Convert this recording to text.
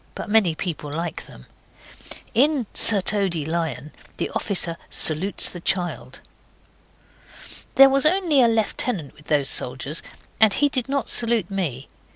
But many people like them. In Sir Toady Lion the officer salutes the child. There was only a lieutenant with those soldiers, and he did not salute me.